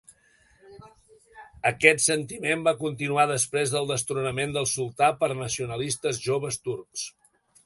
Aquest sentiment va continuar després del destronament del sultà pels nacionalistes Joves Turcs.